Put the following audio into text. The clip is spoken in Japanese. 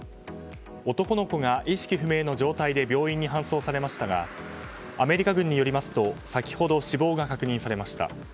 男の子が意識不明の状態で病院に搬送されましたがアメリカ軍によりますと先ほど死亡が確認されました。